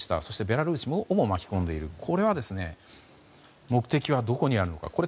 そしてベラルーシをも巻き込んでいるこれは目的はどこにあるのか。